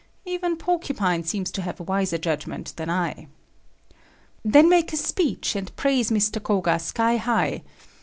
Even Porcupine seems to have wiser judgment than I. "Then make a speech and praise Mr. Koga sky high.